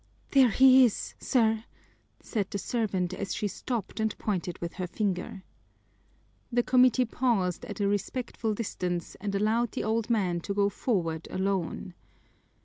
"There he is, sir," said the servant, as she stopped and pointed with her finger. The committee paused at a respectful distance and allowed the old man to go forward alone.